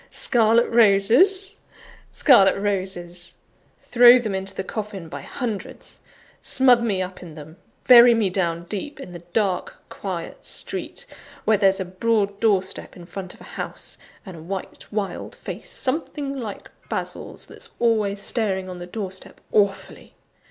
Scarlet roses! scarlet roses! throw them into the coffin by hundreds; smother me up in them; bury me down deep; in the dark, quiet street where there's a broad door step in front of a house, and a white, wild face, something like Basil's, that's always staring on the doorstep awfully.